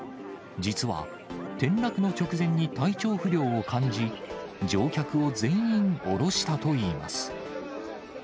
実は、転落の直前に体調不良を感じ、乗客を全員降ろしたといいます。